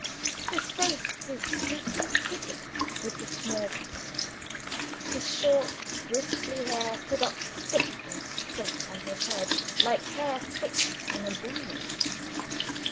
His face was deeply pitted with the small pox. His short grisly hair stood up stiff and straight on his head like hair fixed in a broom.